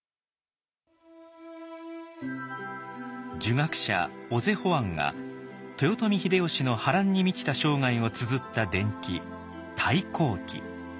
儒学者小瀬甫庵が豊臣秀吉の波乱に満ちた生涯をつづった伝記「太閤記」。